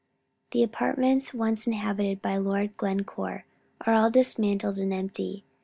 The apartments once inhabited by Lord Glencore are all dismantled and empty.